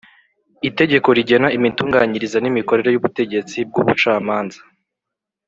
itegeko rigena imitunganyirize n imikorere y’ ubutegetsi bw’ ubucamanza